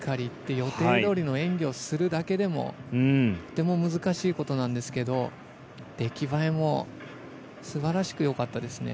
予定どおりの演技をするだけでもとても難しいことなんですけど出来栄えも素晴らしく良かったですね。